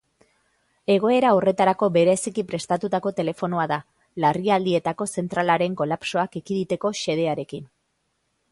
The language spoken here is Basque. Egoera horretarako bereziki prestatutako telefonoa da, larrialdietako zentralaren kolapsoak ekiditeko xedearekin.